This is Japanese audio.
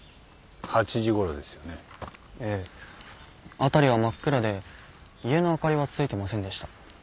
辺りは真っ暗で家の灯りはついてませんでした。